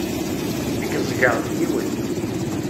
Nekk ẓẓgeɣ-d yiwet.